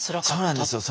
そうなんですよ。